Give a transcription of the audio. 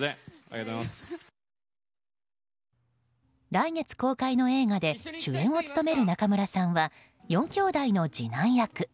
来月公開の映画で主演を務める中村さんは４きょうだいの次男役。